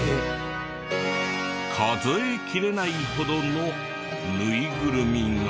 数えきれないほどのぬいぐるみが。